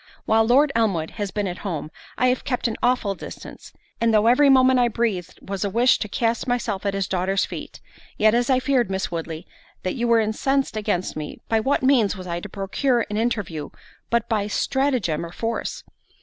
While Lord Elmwood has been at home, I have kept an awful distance; and though every moment I breathed was a wish to cast myself at his daughter's feet, yet as I feared, Miss Woodley, that you were incensed against me, by what means was I to procure an interview but by stratagem or force?